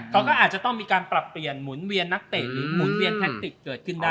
เขาก็อาจจะต้องมีการปรับเปลี่ยนหมุนเวียนนักเตะหรือหมุนเวียนแทคติกเกิดขึ้นได้